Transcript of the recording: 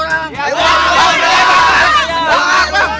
buang buang buang